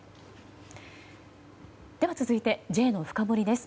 では続いてＪのフカボリです。